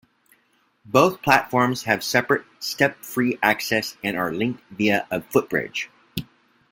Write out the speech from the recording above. Both platforms have separate step-free access and are linked via a footbridge.